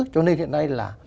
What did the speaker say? cho nên hiện nay là